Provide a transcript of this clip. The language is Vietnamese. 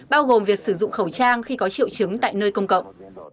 bao gồm việc sử dụng khẩu trang khi có triệu chứng tại nơi công cộng